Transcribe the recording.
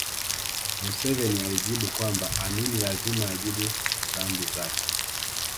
Museveni alijibu kwamba Amin lazima ajibu dhambi zake